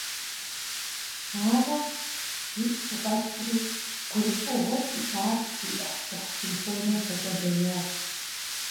Ауэ, мис, – укъэсри, гурыфӀыгъуэу сиӀар уи «Ӏыхьсыхь» симфонием хэкӀуэдэжащ…